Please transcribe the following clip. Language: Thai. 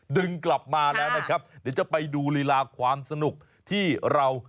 ดึงกลับมาแล้วนะครับเดี๋ยวจะไปดูลีลาความสนุกที่เรา